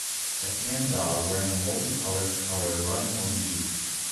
a tan dog wearing a multicolored color running on the beach